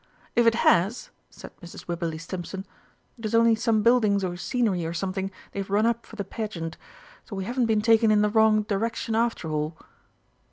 "If it has," said Mrs. Wibberley Stimpson, "it is only some buildings or scenery or something they have run up for the Pageant. So we haven't been taken in the wrong direction after all."